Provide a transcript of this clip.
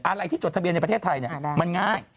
อะไรที่จดทะเบียนในประเทศไทยมันง่าย